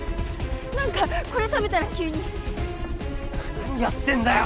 何かこれ食べたら急に何やってんだよ